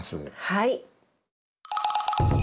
はい。